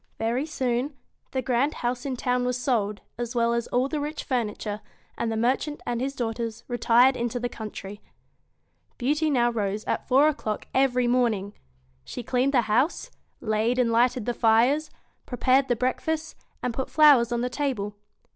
Very soon, the grand house in town was sold, as well as all the rich furniture, and the merchant and his daughters retired into the country. Beauty now rose at four o'clock every morning. She cleaned the house, laid and lighted the fires, prepared the breakfast, and put flowers on the table.